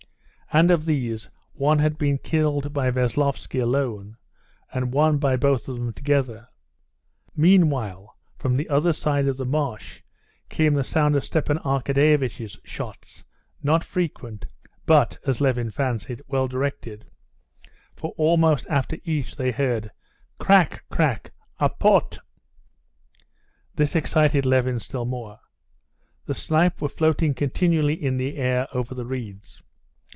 And of these one had been killed by Veslovsky alone, and one by both of them together. Meanwhile from the other side of the marsh came the sound of Stepan Arkadyevitch's shots, not frequent, but, as Levin fancied, well directed, for almost after each they heard "Krak, Krak, apporte!" This excited Levin still more. The snipe were floating continually in the air over the reeds.